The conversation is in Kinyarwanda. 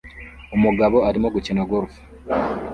Umugabo arimo gukina golf